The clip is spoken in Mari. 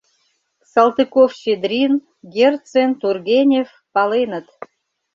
Салтыков-Щедрин, Герцен, Тургенев паленыт.